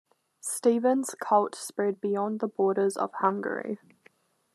Stephen's cult spread beyond the borders of Hungary.